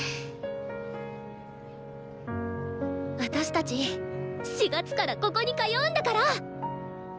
私たち４月からここに通うんだから！